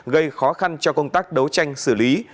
gây khó khăn cho công tác đấu tranh xử lý